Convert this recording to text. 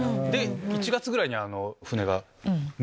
１月ぐらいには船が。